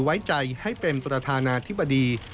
ไว้ใจให้เป็นประธานาธิบดี